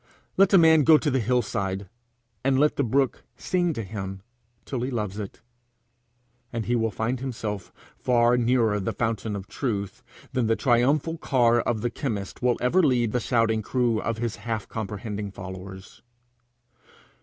Let a man go to the hillside and let the brook sing to him till he loves it, and he will find himself far nearer the fountain of truth than the triumphal car of the chemist will ever lead the shouting crew of his half comprehending followers.